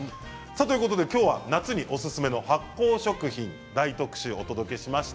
今日は夏におすすめの発酵食品大特集をお届けしました。